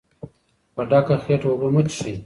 په ډکه خېټه اوبه مه څښئ.